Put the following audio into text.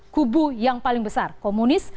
kubu yang paling besar komunis